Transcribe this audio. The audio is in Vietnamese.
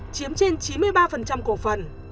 chiếm trên chín mươi ba cổ phần